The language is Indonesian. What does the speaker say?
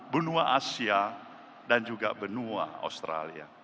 benua asia dan juga benua australia